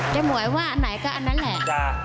หมวยว่าอันไหนก็อันนั้นแหละ